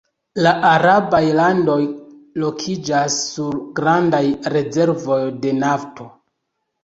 La arabaj landoj lokiĝas sur grandaj rezervoj de nafto.